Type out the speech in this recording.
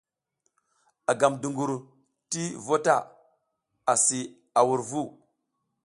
A gam dungur ti vu ta asi a wur vu.